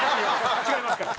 違いますから。